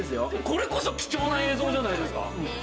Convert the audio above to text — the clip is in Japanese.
これこそ貴重な映像じゃないですか？